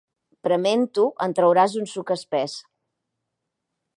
Prement-ho en trauràs un suc espès.